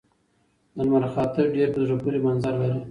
د لمر خاته ډېر په زړه پورې منظر لري.